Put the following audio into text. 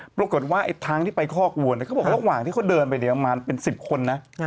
ปรากฏว่าไอ้ทางที่ไปคอกวัวเนี่ยเขาบอกว่าระหว่างที่เขาเดินไปเนี่ยประมาณเป็น๑๐คนนะ